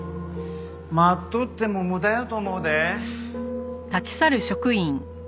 待っとっても無駄やと思うで。